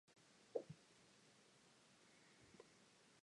A different Parthaon was son of Periphetes and grandson of Nyctimus.